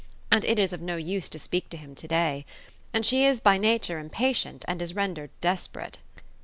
And it is of no use to speak to him to day. And she is by nature impatient, and is rendered desperate."